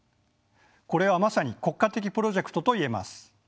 これはまさに国家的プロジェクトと言えます。